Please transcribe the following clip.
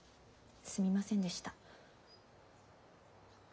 すみませんでした。